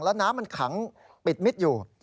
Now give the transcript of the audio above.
แล้วน้ำมันขังปิดมิดอยู่